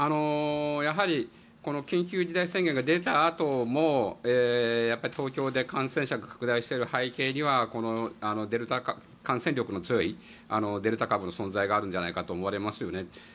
やはり緊急事態宣言が出たあとも東京で感染者が拡大している背景にはこの感染力の強いデルタ株の存在があるんじゃないかと思われますよね。